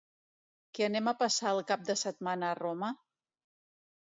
Que anem a passar el cap de setmana a Roma?